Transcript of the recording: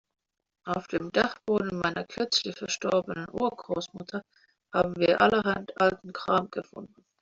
Auf dem Dachboden meiner kürzlich verstorbenen Urgroßmutter haben wir allerhand alten Kram gefunden.